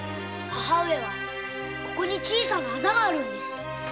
母上はここに小さなアザがあるんです。